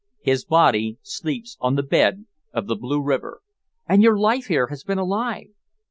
His body sleeps on the bed of the Blue River." "And your life here has been a lie!"